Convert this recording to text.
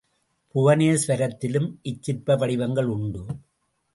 புவனேஸ்வரத்திலும் இச்சிற்ப வடிவங்கள் உண்டு.